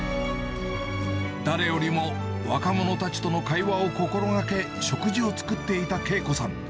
誰よりも若者たちとの会話を心がけ、食事を作っていた恵子さん。